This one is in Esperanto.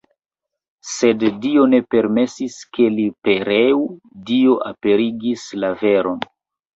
Sed Dio ne permesis, ke li pereu, Dio aperigis la veron.